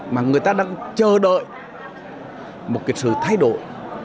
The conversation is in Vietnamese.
mà người ta đang chờ đợi một cái sự thay đổi